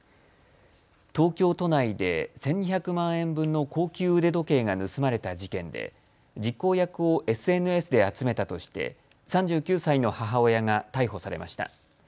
東京都内で１２００万円分の高級腕時計が盗まれた事件で実行役をＳＮＳで集めたとして３９歳の母親が逮捕されました。